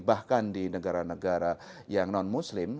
bahkan di negara negara yang non muslim